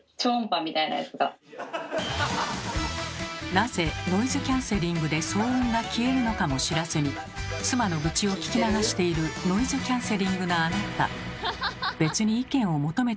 なぜノイズキャンセリングで騒音が消えるのかも知らずに妻の愚痴を聞き流しているノイズキャンセリングなあなた別に意見を求めていないのでそれでＯＫです。